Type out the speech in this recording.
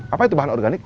apa itu bahan organik